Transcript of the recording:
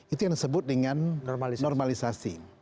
itu yang disebut dengan normalisasi